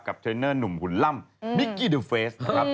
กับเทรนน์เนอร์หนุ่มหุ่นล่ำมิกกี้เดอร์เฟซ